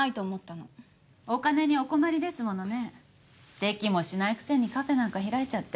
できもしないくせにカフェなんか開いちゃって。